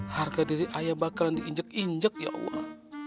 harga diri ayah bakalan diinjek injek ya allah